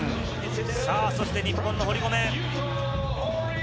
そして日本の堀米。